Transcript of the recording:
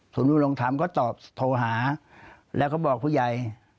ศูนย์นำลงทำก็ตอบโทรหาแล้วก็บอกผู้ใหญ่